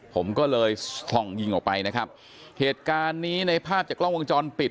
ผมก็เลยส่องยิงออกไปนะครับเหตุการณ์นี้ในภาพจากกล้องวงจรปิด